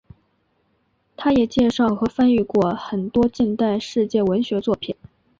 它也介绍和翻译过很多近代世界文学作品。